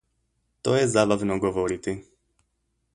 To je zabavno govoriti.